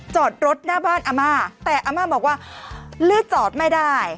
จอดรถหน้าบ้านอาม่าแต่อาม่าบอกว่าลื้อจอดไม่ได้